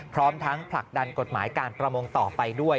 พร้อมทั้งผลักดันกฎหมายการประมงต่อไปด้วย